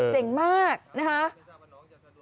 เจ๋งมากนะครับ